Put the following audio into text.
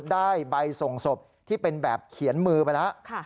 ได้ใบส่งศพที่เป็นแบบเขียนมือไปแล้ว